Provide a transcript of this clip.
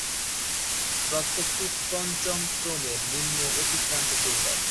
প্রত্যেকটি পঞ্চম ক্রমের নিম্ন-অতিক্রান্ত ফিল্টার।